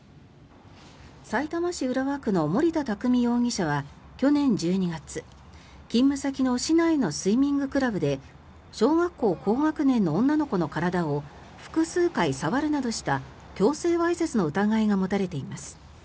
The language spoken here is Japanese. さいたま市浦和区の森田匠容疑者は去年１２月、勤務先の市内のスイミングクラブで小学校高学年の女の子の体を複数回触るなどした強制わいせつの疑いが持たれています。